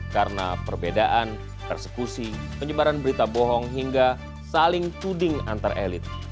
karena perbedaan persekusi penyebaran berita bohong hingga saling tuding antar elit